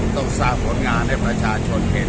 ต้องสร้างผลงานให้ประชาชนเห็น